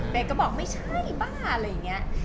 ก็บอกไม่ใช่บ้าอะไรอย่างนี้